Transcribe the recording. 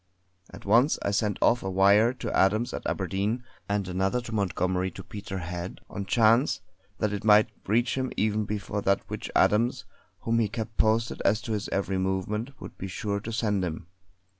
At once I sent off a wire to Adams at Aberdeen, and another to Montgomery to Peterhead on chance that it might reach him even before that which Adams, whom he kept posted as to his every movement, would be sure to send to him!